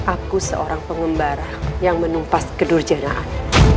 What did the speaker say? aku seorang pengembara yang menumpas kedorjanaan